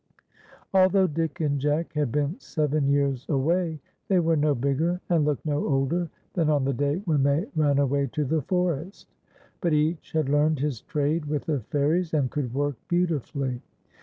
Although Dick and Jack had been seven }'ears away, the\' were no bigger, and looked no older than on the day when they ran awa\' to the forest ; but each had learned his trade with the fairies, and could work beautifully.